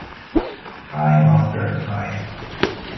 Time After Time